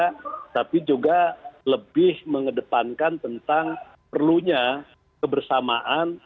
tapi juga lebih mengedepankan tentang perlunya kebersamaan